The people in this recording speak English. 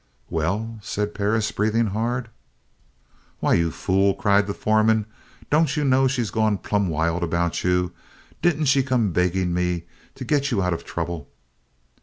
"Well?" said Perris, breathing hard. "Why, you fool," cried the foreman, "don't you know she's gone plumb wild about you? Didn't she come begging to me to get you out of trouble?"